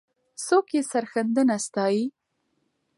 څوک یې سرښندنه ستایي؟